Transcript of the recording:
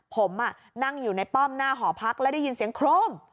ผมนั่งอยู่ในป้อมหน้าหอพักแล้วได้ยินเสียงโครม